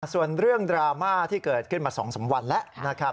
ส่วนเรื่องดราม่าที่เกิดขึ้นมา๒๓วันแล้วนะครับ